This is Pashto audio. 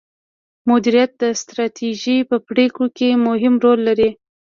مديريت د ستراتیژۍ په پریکړو کې مهم رول لري.